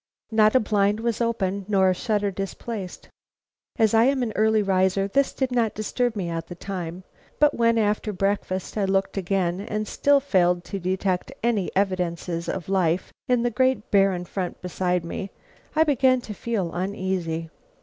Not a blind was open, nor a shutter displaced. As I am an early riser, this did not disturb me at the time, but when after breakfast I looked again and still failed to detect any evidences of life in the great barren front beside me, I began to feel uneasy.